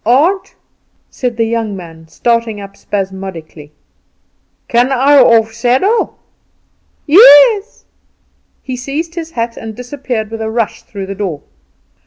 "Aunt," said the young man, starting up spasmodically; "can I off saddle?" "Yes." He seized his hat, and disappeared with a rush through the door.